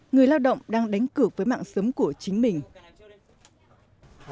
người lao động đang đánh cược với mạng sống của chính mình